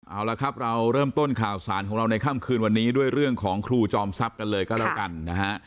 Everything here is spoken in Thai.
เอาละครับเราเริ่มต้นข่าวสารของเราในค่ำคืนวันนี้ด้วยเรื่องของครูจอมทรัพย์กันเลยก็แล้วกันนะฮะ